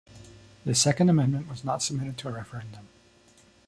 The Second Amendment was not submitted to a referendum.